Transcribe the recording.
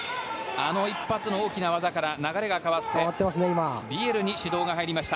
あの一発の大きな技から流れが変わってビエルに指導が入りました。